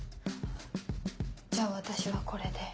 じゃあ私はこれで。